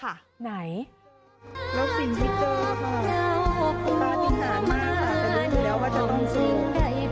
ไหนแล้วสิ่งที่เจอค่ะป้าจริงนานมากค่ะแต่รู้สึกแล้วว่าจะต้องเจอ